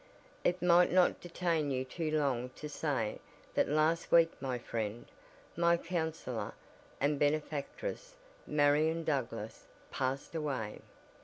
It might not detain you too long to say that last week my friend, my counselor, and benefactress Marian Douglass, passed away.